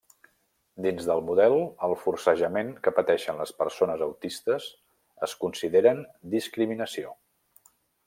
Dins del model, el forcejament que pateixen les persones autistes es consideren discriminació.